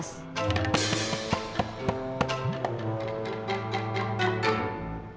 kita harus lanjutkan